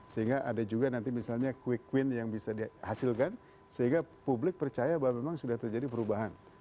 sehingga ada juga nanti misalnya quick win yang bisa dihasilkan sehingga publik percaya bahwa memang sudah terjadi perubahan